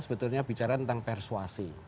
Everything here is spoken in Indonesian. sebetulnya bicara tentang persuasi